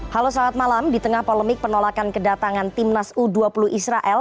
halo selamat malam di tengah polemik penolakan kedatangan timnas u dua puluh israel